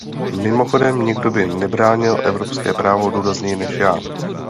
Mimochodem, nikdo by nebránil evropské právo důrazněji než já.